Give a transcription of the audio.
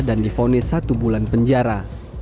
dan difonis satu bulan penjara